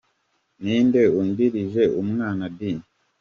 Ninde undirije umwana di?